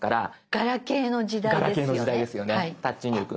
ガラケーの時代ですよねタッチ入力。